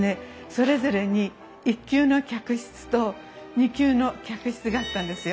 それぞれに１級の客室と２級の客室があったんですよ。